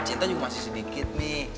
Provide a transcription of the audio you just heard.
cinta juga masih sedikit nih